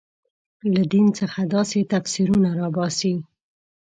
له دین څخه داسې تفسیرونه راباسي.